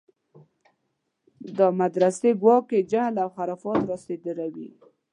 دا مدرسې ګواکې جهل و خرافات راصادروي.